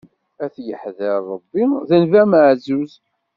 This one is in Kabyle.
Ad yeḥḍer Ṛebbi, d Nnabi amaɛzuz.